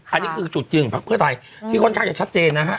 อันนี้คือจุดยืนของพักเพื่อไทยที่ค่อนข้างจะชัดเจนนะฮะ